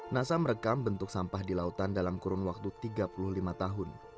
nasa merekam bentuk sampah di lautan dalam kurun waktu tiga puluh lima tahun